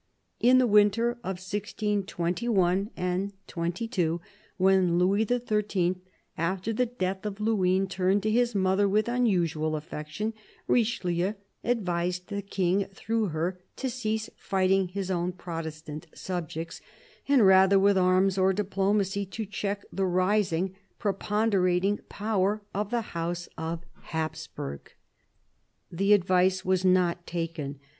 In the winter of 1621 2, when Louis XIII, after the death of Luynes, turned to his mother with unusual affec tion, Richelieu advised the King, through her, to cease fighting his own Protestant subjects and rather, with arms or diplomacy, to check the rising, preponderating power of the House of Hapsburg. The advice was not taken.